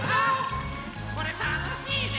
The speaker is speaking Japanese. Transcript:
これたのしいね！